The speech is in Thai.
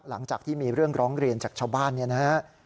หลังจากที่มีเรื่องร้องเรียนจากชาวบ้านเนี่ยนะฮะ